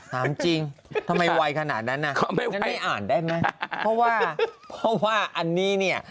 ถามจริงทำไมไวขนาดนั้นอ่ะงั้นไม่อ่านได้ไหมเพราะว่าเพราะว่าอันนี้เนี่ย